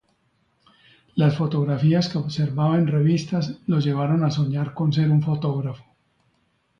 Las fotografías que observaba en revistas lo llevaron a soñar con ser un fotógrafo.